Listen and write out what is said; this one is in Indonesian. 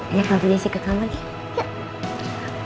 ayo tante jessy ke kamar yuk